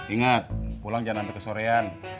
ingat pulang jangan sampai ke sorean